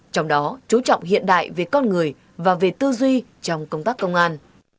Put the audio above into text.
trong đó chú trọng hiện đại về con người và về tư duy trong công tác công an